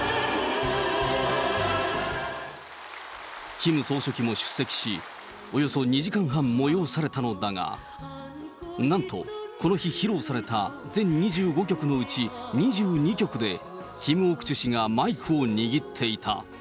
キム総書記も出席し、およそ２時間半催されたのだが、なんと、この日披露された全２５曲のうち、２２曲でキム・オクチュ氏がマイクを握っていた。